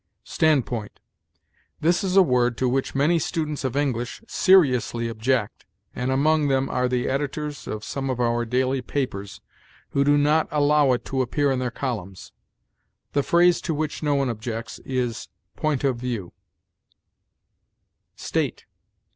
STANDPOINT. This is a word to which many students of English seriously object, and among them are the editors of some of our daily papers, who do not allow it to appear in their columns. The phrase to which no one objects is, point of view. STATE.